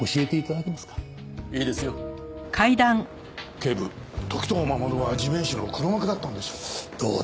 警部時任守は地面師の黒幕だったんでしょうか？